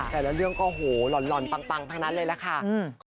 แต่ละเรื่องก็โหล่อนปังทั้งนั้นเลยล่ะค่ะ